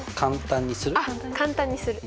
簡単にする？